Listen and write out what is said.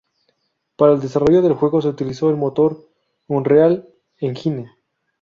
Para el desarrollo del juego se utilizó el motor Unreal Engine.